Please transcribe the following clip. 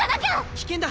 危険だ。